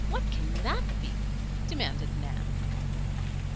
what can that be?" demanded Nan.